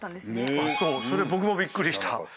それ僕もびっくりした。